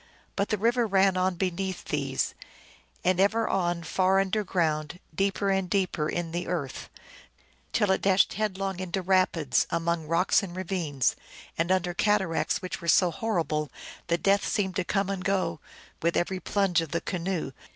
But the river ran on beneath these, and ever on far underground, deeper and deeper in tlie earth, till it dashed headlong into rapids, among roclj:s and ravines, and under cataracts which were so hojr rible that death seemed to come and go with even plunge of the canoe.